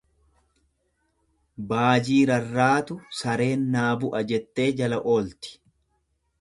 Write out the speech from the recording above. Baajii rarraatu sareen naa bu'a jettee jala oolti.